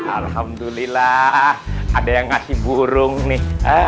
alhamdulillah ada yang ngasih burung nih